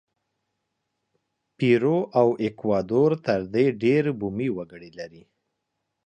پیرو او ایکوادور تر دې ډېر بومي وګړي لري.